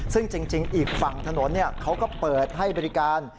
ซึ่งจริงอีกฝั่งถนนเขาก็เปิดให้บริการ